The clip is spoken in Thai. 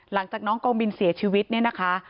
หลังจากน้องกองบินเสียชีวิตเนี่ยนะคะ